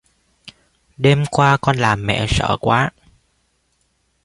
đêm qua con làm mẹ sợ quá